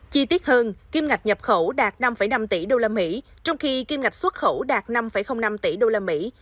chi tiết hơn kim ngạch nhập khẩu đạt năm năm tỷ đô la mỹ trong khi kim ngạch xuất khẩu đạt năm năm tỷ đô la mỹ